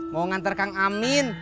mau nganter kang amin